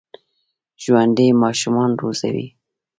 ژوندي ماشومان روزي